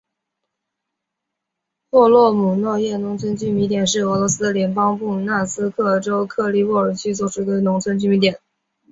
霍罗姆诺耶农村居民点是俄罗斯联邦布良斯克州克利莫沃区所属的一个农村居民点。